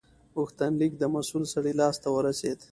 غوښتنلیک د مسول سړي لاس ته ورسید.